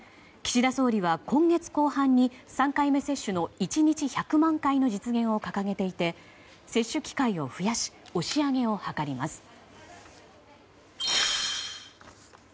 岸田総理は今月後半に３回目接種の１日１００万回の実現を掲げていて接種機会を増やし押し上げを図ります。